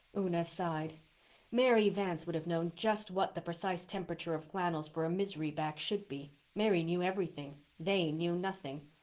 Una sighed. Mary Vance would have known just what the precise temperature of flannels for a misery back should be. Mary knew everything. They knew nothing.